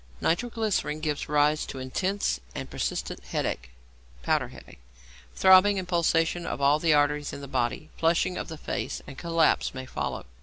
=Nitroglycerine= gives rise to intense and persistent headache ('powder headache'). Throbbing and pulsation of all the arteries in the body; flushing of the face and collapse may follow.